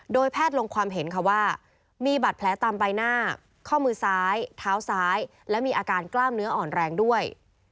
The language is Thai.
แพทย์ลงความเห็นค่ะว่ามีบาดแผลตามใบหน้าข้อมือซ้ายเท้าซ้ายและมีอาการกล้ามเนื้ออ่อนแรงด้วย